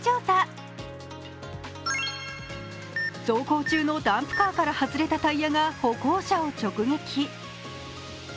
走行中のダンプカーから外れたタイヤが歩行者を直撃。